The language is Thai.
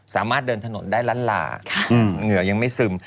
สามารถเดินถนนได้ล้านลาเหงื่อยังไม่ซึม